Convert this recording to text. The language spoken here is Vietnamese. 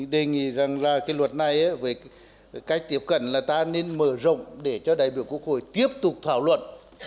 đề nghị rằng là cái luật này với cách tiếp cận là ta nên mở rộng để cho đại biểu quốc hội tiếp tục thảo luận